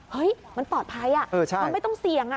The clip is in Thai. เฮ้ยมันปลอดภัยมันไม่ต้องเสี่ยง